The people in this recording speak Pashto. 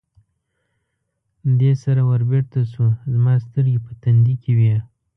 دې سره ور بېرته شو، زما سترګې په تندي کې وې.